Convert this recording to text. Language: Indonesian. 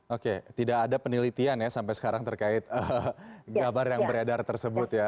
oke tidak ada penelitian ya sampai sekarang terkait kabar yang beredar tersebut ya